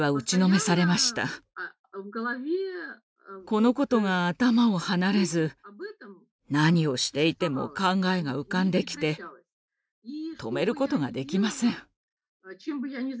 このことが頭を離れず何をしていても考えが浮かんできて止めることができません。